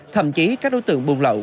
thậm chí các đối tượng buôn lậu